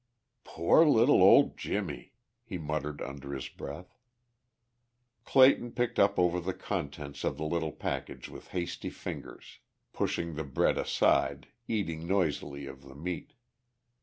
"Poor little old Jimmie," he muttered under his breath. Clayton picked over the contents of the little package with hasty fingers, pushing the bread aside, eating noisily of the meat.